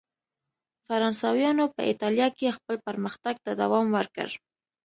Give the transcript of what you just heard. فرانسویانو په اېټالیا کې خپل پرمختګ ته دوام ورکړ.